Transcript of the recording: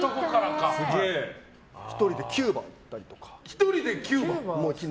１人でキューバ行ったりとか。